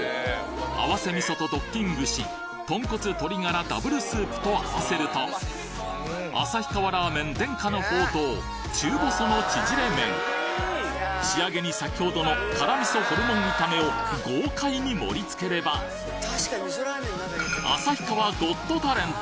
合わせ味噌とドッキングし豚骨・鶏ガラＷスープと合わせると旭川ラーメン伝家の宝刀中細の縮れ麺仕上げに先程の辛味噌ホルモン炒めを豪快に盛りつければ旭川・ゴット・タレント！